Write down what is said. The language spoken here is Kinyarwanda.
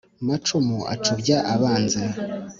macumu acubya abanzi